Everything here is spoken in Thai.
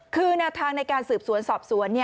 คือแนวทางในการสืบสวนสอบสวน